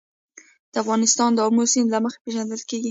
افغانستان د آمو سیند له مخې پېژندل کېږي.